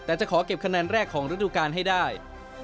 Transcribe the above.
แต่จะขอเก็บคะแนนแรกของฤดูกาลให้ได้